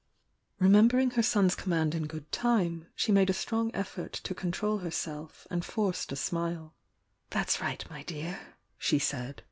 Remembering her son's command in good time, she made a strong effort to control herself, and forced a smile. "That's right, my dear!" she said.